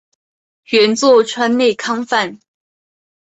原作川内康范。